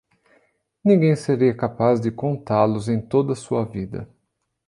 Ninguém seria capaz de contá-los em toda a sua vida.